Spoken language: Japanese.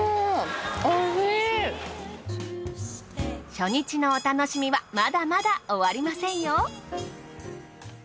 初日のお楽しみはまだまだ終わりませんよ。